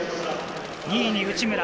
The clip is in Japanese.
２位に内村。